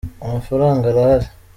amafaranga arahari